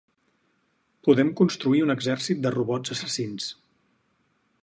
Podem construir un exèrcit de robots assassins.